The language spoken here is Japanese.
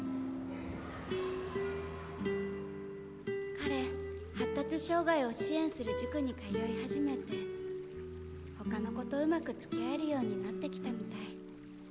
彼発達障害を支援する塾に通い始めて他の子とうまくつきあえるようになってきたみたい。